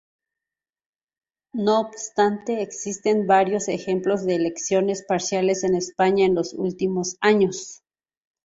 No obstante, existen varios ejemplos de elecciones parciales en España en los últimos años.